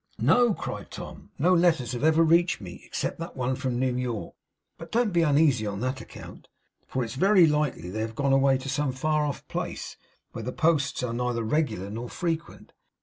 'No,' cried Tom. 'No letters have ever reached me, except that one from New York. But don't be uneasy on that account, for it's very likely they have gone away to some far off place, where the posts are neither regular nor frequent.